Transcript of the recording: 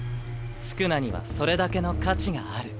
宿儺にはそれだけの価値がある。